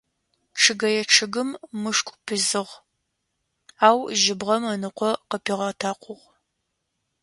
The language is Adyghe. Чъыгэе чъыгым мышкӏу пизыгъ, ау жьыбгъэм ыныкъо къыпигъэтэкъугъ.